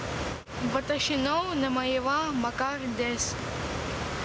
私の名前はマカルです。